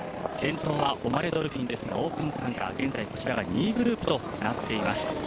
先頭はオマレ・ドルフィンですがオープン参加、現在こちらが２位グループとなっています。